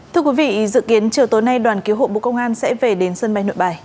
thưa quý vị dự kiến chiều tối nay đoàn cứu hộ bộ công an sẽ về đến sân bay nội bài